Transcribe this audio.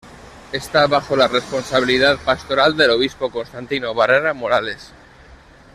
Esta bajo la responsabilidad pastoral del obispo Constantino Barrera Morales.